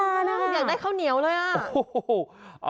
อยากได้ข้าวเหนียวเลยอ่ะ